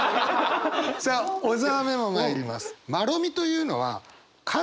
さあ小沢メモまいります。